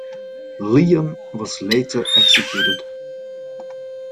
Leon was later executed.